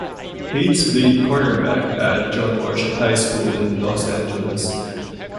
Haynes played cornerback at John Marshall High School in Los Angeles.